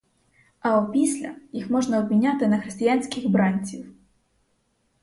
А опісля їх можна обміняти на християнських бранців.